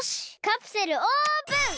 カプセルオープン！